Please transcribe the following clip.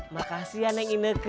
makasih ya neng ineke